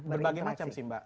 berbagai macam sih mbak